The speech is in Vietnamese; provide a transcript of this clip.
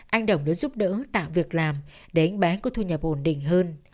anh đồng đã giúp đỡ tạo việc làm để anh bé có thu nhập ổn định hơn